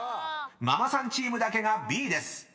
［ママさんチームだけがＢです］